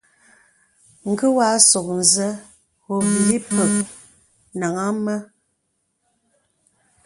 Ngé wà àsôk nzə óbīlí pə́k nàŋha mə.